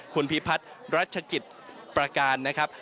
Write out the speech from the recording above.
คุณพิพัฒน์รัชกิจประการนะครับ